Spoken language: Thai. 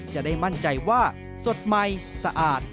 จะได้มั่นใจว่าสดใหม่สะอาด